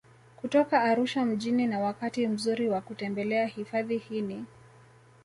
Kutoka Arusha mjini na wakati mzuri wa kutembelea hifadhi hii ni